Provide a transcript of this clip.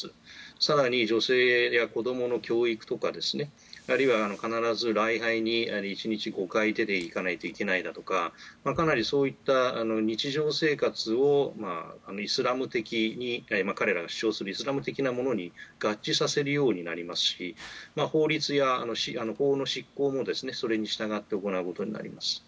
更に、女性や子供の教育とかあるいは必ず礼拝に１日５回行かないといけないだとかかなりそういった日常生活を彼らが主張するイスラム的なものに合致させるようになりますし法律や法の執行もそれに従って行うことになります。